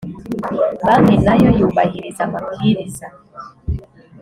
banki nayo yubahiriza amabwiriza .